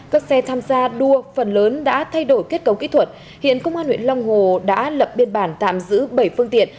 các xe tham gia đua phần lớn đã thay đổi kết cấu kỹ thuật hiện công an huyện long hồ đã lập biên bản tạm giữ bảy phương tiện